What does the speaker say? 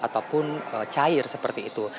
ataupun cair seperti itu